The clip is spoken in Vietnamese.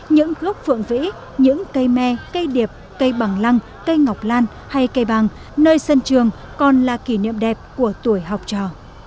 những gốc phượng vĩ những cây me cây điệp cây bằng lăng cây ngọc lan hay cây bằng nơi sân trường còn là kỷ niệm đẹp của tuổi học trò